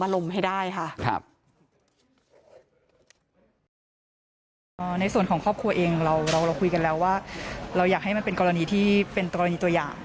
เราอยากให้มันเป็นกรณีที่เป็นกรณีตัวอย่าง